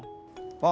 harusnya saling bantu